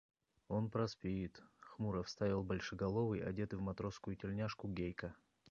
– Он проспит, – хмуро вставил большеголовый, одетый в матросскую тельняшку Гейка.